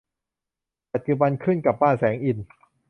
ปัจจุบันขึ้นกับบ้านแสงอินทร์